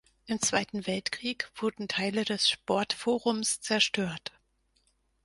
Im Zweiten Weltkrieg wurden Teile des Sportforums zerstört.